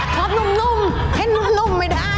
เพราะนุ่มให้นุ่มไม่ได้